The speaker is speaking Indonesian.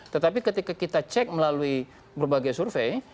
tetapi ketika kita cek melalui berbagai survei